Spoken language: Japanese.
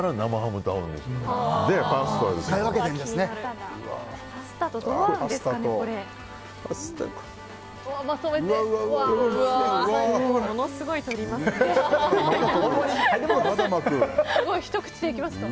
ものすごいとりますね。